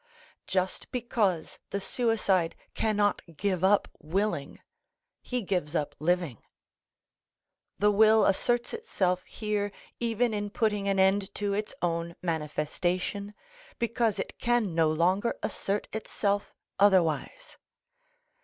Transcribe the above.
Just because the suicide cannot give up willing, he gives up living. The will asserts itself here even in putting an end to its own manifestation, because it can no longer assert itself otherwise.